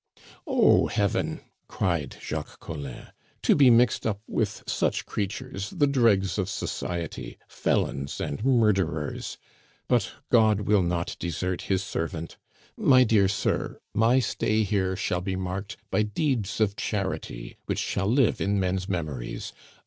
"Oh! Heaven!" cried Jacques Collin. "To be mixed up with such creatures, the dregs of society felons and murders! But God will not desert His servant! My dear sir, my stay here shall be marked by deeds of charity which shall live in men's memories.